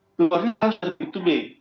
keluarnya harus dari to b